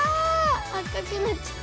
赤くなっちった。